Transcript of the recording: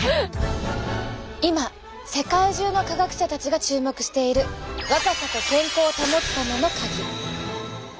今世界中の科学者たちが注目している若さと健康を保つためのカギ。